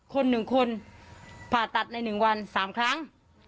คนหนึ่งคนผ่าตัดในหนึ่งวันสามครั้ง